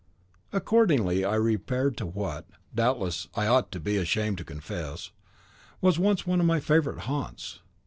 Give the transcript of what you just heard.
Accordingly I repaired to what, doubtless, I ought to be ashamed to confess, was once one of my favourite haunts.